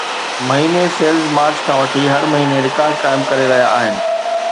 مهيني sales March کان وٺي هر مهيني رڪارڊ قائم ڪري رهيا آهن